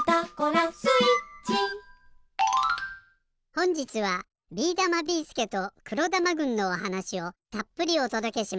ほんじつはビーだま・ビーすけと黒玉軍のおはなしをたっぷりおとどけします。